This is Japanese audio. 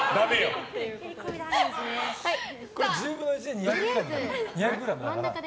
１０分の１で２００ｇだから。